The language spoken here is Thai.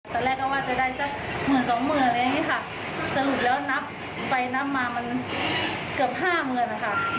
ตอนแรกก็ว่าจะได้เงินสองเหมือนแบบนี้ค่ะสรุปแล้วนับไปนับมามันเกือบห้าเมือนอ่ะค่ะ